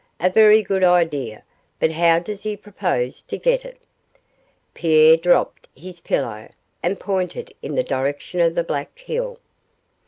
A very good idea; but how does he propose to get it?' Pierre dropped his pillow and pointed in the direction of the Black Hill.